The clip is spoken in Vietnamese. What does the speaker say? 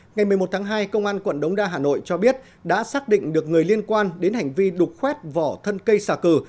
ngày một mươi một tháng hai công an quận đống đa hà nội cho biết đã xác định được người liên quan đến hành vi đục khoét vỏ thân cây xà cừ